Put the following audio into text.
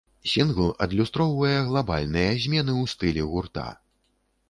Сінгл адлюстроўвае глабальныя змены ў стылі гурта.